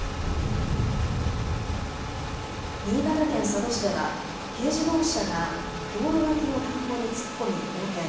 新潟県佐渡市では軽自動車が道路脇の田んぼに突っ込み横転。